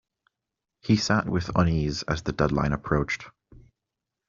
He sat with unease as the deadline approached.